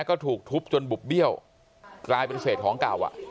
ก็ถูกทุบจนบุบเบี้ยวกลายเป็นเศษของเก่าอ่ะ